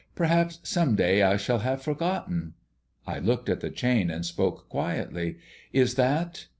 "Perhaps some day I shall have forgotten " I looked at the chain and spoke quietly. "Is that